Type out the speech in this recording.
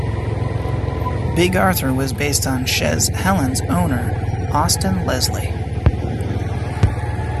Big Arthur was based on Chez Helene's owner, Austin Leslie.